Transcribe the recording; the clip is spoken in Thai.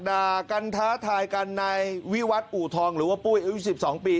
ด่ากันท้าทายกันในวิวัตรอู่ทองหรือว่าปุ้ยอายุ๑๒ปี